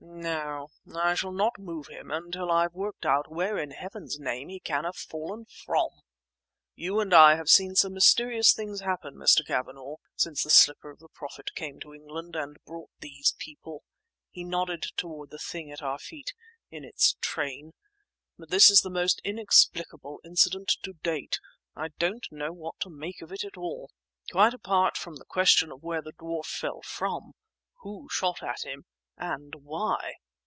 "No; I shall not move him until I've worked out where in heaven's name he can have fallen from! You and I have seen some mysterious things happen, Mr. Cavanagh, since the slipper of the Prophet came to England and brought these people"—he nodded toward the thing at our feet—"in its train; but this is the most inexplicable incident to date. I don't know what to make of it at all. Quite apart from the question of where the dwarf fell from, who shot at him and why?"